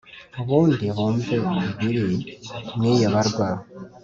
ubundi bumve ibiri mwiyo barwa.